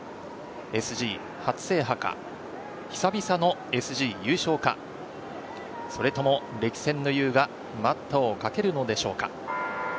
ＳＧ初制覇か、久々のＳＧ優勝か、それとも歴戦の雄が待ったをかけるのでしょうか？